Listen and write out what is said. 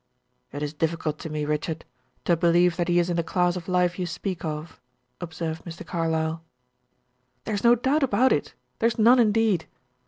"It is difficult to me Richard, to believe that he is in the class of life you speak of," observed Mr. Carlyle. "There's no doubt about it; there's none indeed.